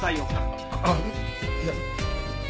あっいや。